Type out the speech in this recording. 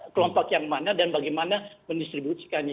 kelompok yang mana dan bagaimana mendistribusikannya